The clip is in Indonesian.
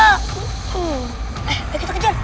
eh ayo kita kejar